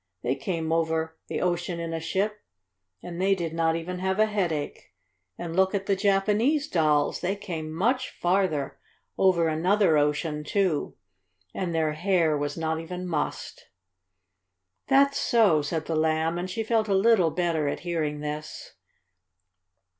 "They came over the ocean in a ship, and they did not even have a headache. And look at the Japanese dolls they came much farther, over another ocean, too, and their hair was not even mussed." "That's so," said the Lamb, and she felt a little better at hearing this.